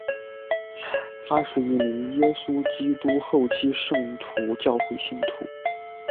他是一名耶稣基督后期圣徒教会信徒。